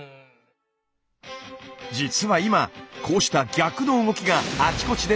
実は今こうした「逆の動き」があちこちで大注目。